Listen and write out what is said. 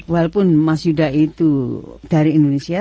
walaupun mas yuda itu dari indonesia